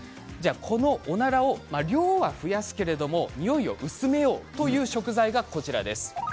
このおならの量が増えますけれどにおいを薄めようという食材がこちらです。